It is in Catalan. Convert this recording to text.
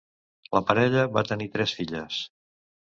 La parella va tenir tres filles.